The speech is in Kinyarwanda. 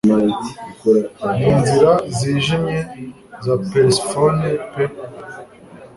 Ninzira zijimye za Persephone pe